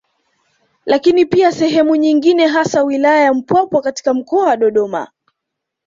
Lakini pia sehemu nyingine hasa wailaya ya Mpwapwa katika mkoa wa Dodoma